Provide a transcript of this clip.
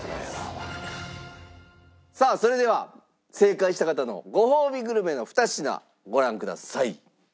さあそれでは正解した方のごほうびグルメの２品ご覧ください。